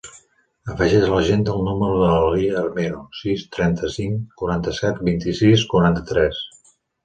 Afegeix a l'agenda el número de la Lia Armero: sis, trenta-cinc, quaranta-set, vint-i-sis, quaranta-tres.